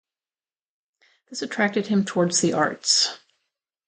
This attracted him towards the arts.